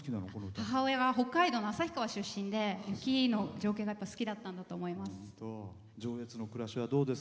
母親が北海道の旭川出身で雪の情景が好きだったんだと思います。